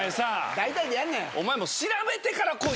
大体でやんなよ！